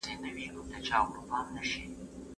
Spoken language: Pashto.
هغه وويل چي زده کړه مهمه ده!؟